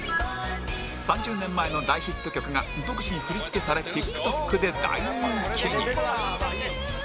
３０年前の大ヒット曲が独自に振り付けされ ＴｉｋＴｏｋ で大人気に